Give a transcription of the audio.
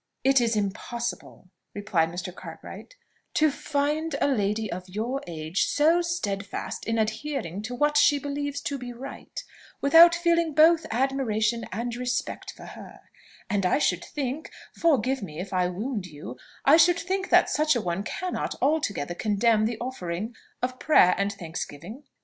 "It is impossible," replied Mr. Cartwright "to find a lady of your age so steadfast in adhering to what she believes to be right, without feeling both admiration and respect for her; and I should think forgive me if I wound you I should think that such an one cannot altogether condemn the offering of prayer and thanksgiving?"